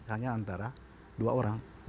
hanya antara dua orang